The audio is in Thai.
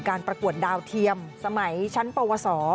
ประกวดดาวเทียมสมัยชั้นปวส